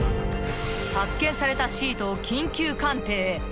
［発見されたシートを緊急鑑定へ］